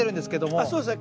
ああそうですね。